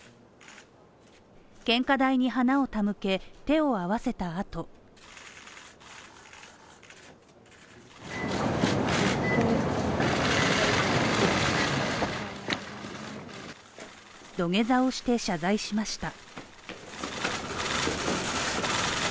献花台に花を手向け、手を合わせた後、土下座をして謝罪しました。